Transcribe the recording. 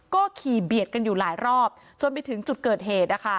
ก็ขี่เบียดกันอยู่หลายรอบจนไปถึงจุดเกิดเหตุนะคะ